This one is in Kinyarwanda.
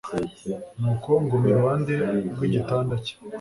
nuko nguma iruhande rw'igitanda cye